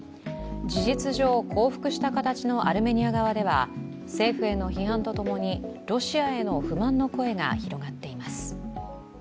事実上降伏した形のアルメニアでは政府への批判とともにロシアへの不満の声が広がっています。